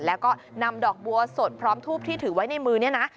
แล้วก็นำดอกบัวสดพร้อมทูบที่ถือไว้ในมือเนี่ยนะ